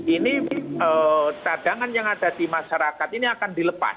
ini cadangan yang ada di masyarakat ini akan dilepas